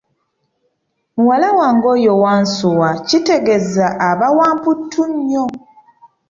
Muwala wange oyo wansuwa kitegeza aba wa mputtu nnyo.